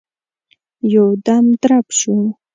يودم درب شو.